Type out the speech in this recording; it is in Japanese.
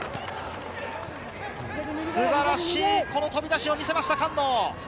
素晴らしい飛び出しを見せました、菅野。